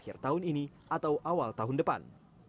akhir tahun ini atau awal tahun depan